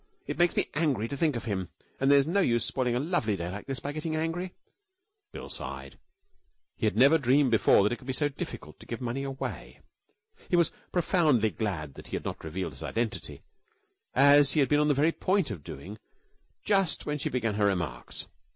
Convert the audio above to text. It makes me angry to think of him, and there's no use spoiling a lovely day like this by getting angry.' Bill sighed. He had never dreamed before that it could be so difficult to give money away. He was profoundly glad that he had not revealed his identity, as he had been on the very point of doing just when she began her remarks.